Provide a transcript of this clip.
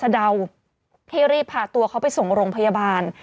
เดาให้รีบพาตัวเขาไปส่งโรงพยาบาล